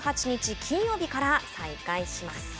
金曜日から再開します。